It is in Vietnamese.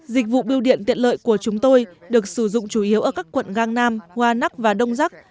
dịch vụ biêu điện tiện lợi của chúng tôi được sử dụng chủ yếu ở các quận gangnam hwa nắc và đông giác